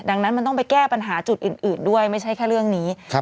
ดังนั้นมันต้องไปแก้ปัญหาจุดอื่นด้วยไม่ใช่แค่เรื่องนี้